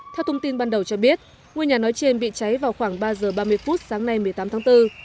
theo thông tin ban đầu cho biết ngôi nhà nói trên bị cháy vào khoảng ba giờ ba mươi phút sáng nay một mươi tám tháng bốn